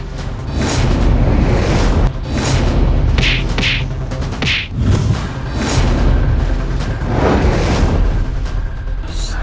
maafkan aku ayah anda